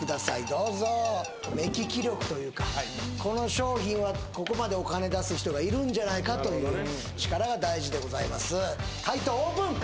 どうぞ目利き力というかこの商品はここまでお金出す人がいるんじゃないかという力が大事でございます解答オープン！